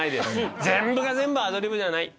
全部が全部アドリブじゃない。